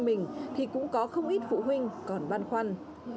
trường của con em mình thì cũng có không ít phụ huynh còn băn khoăn